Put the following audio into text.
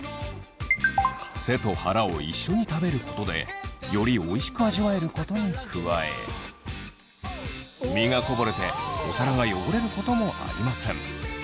背と腹を一緒に食べることでよりおいしく味わえることに加え身がこぼれてお皿が汚れることもありません。